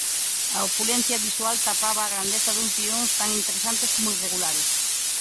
A opulencia visual tapaba a grandeza duns guións tan interesantes como irregulares.